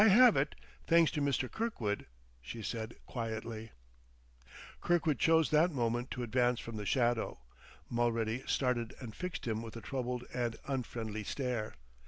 "I have it, thanks to Mr. Kirkwood," she said quietly. Kirkwood chose that moment to advance from the shadow. Mulready started and fixed him with a troubled and unfriendly stare.